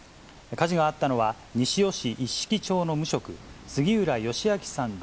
火事があったのは、西尾市一色町の無職、杉浦義明さん